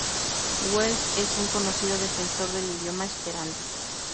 Wells es un conocido defensor del idioma esperanto.